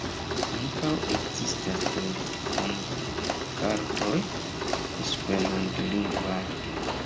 Ankaŭ ekzistas telefonkartoj esperantlingvaj.